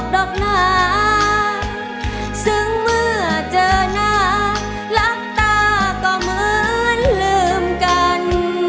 ดอกหนาซึ่งเมื่อเจอหน้ารักตาก็เหมือนลืมกัน